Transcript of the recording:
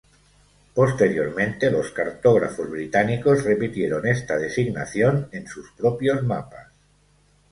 Posteriormente, los cartógrafos británicos repitieron esta designación en sus propios mapas.